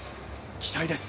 期待です。